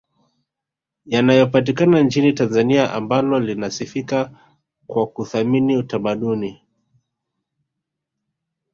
yanayopatikana nchini Tanzania ambalo linasifika kwa kuthamini tamaduni